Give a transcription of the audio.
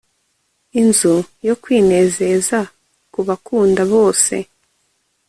inzu yo kwinezeza kubakunda bose